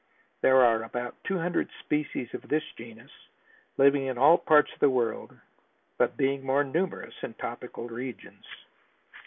There are about two hundred species of this genus, living in all parts of the world but being more numerous in tropical regions.